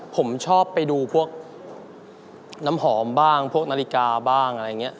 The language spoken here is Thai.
ผมชอบไปดูพวกน้ำหอมบ้างพวกนาฬิกาบ้างอะไรอย่างนี้